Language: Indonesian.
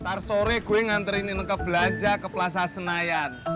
ntar sore gue nganterin ke belanja ke plaza senayan